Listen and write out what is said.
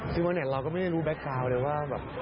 ซึ่งว่าเราก็ไม่ได้รู้แบ็คกลาวเลยว่า